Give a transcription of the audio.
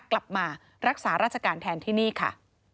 กลับมารักษาราชการแทนที่นี่ค่ะ